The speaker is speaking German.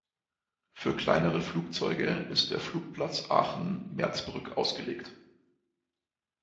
Für kleinere Flugzeuge ist der Flugplatz Aachen-Merzbrück ausgelegt.